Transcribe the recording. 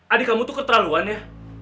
adik kamu tuh keterlaluan ya